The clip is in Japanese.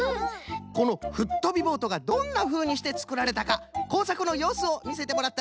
この「フットびぼート」がどんなふうにしてつくられたかこうさくのようすをみせてもらったぞい！